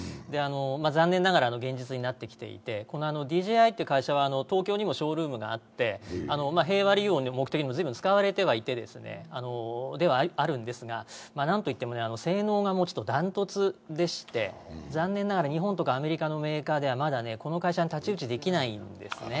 残念ながら、現実になってきていてこのＤＪＩという会社は東京にもショールームがあって、平和利用の目的にも随分使われているんですが、なんといっても性能が断トツでして、残念ながら日本とかアメリカのメーカーではまだこの会社に太刀打ちできないんですよね。